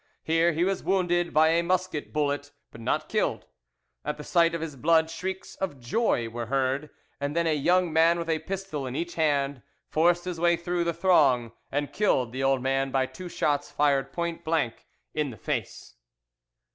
Here he was wounded by a musket bullet, but not killed. At the sight of his blood shrieks of joy were heard, and then a young man with a pistol in each hand forced his way through the throng and killed the old man by two shots fired point blank in his face.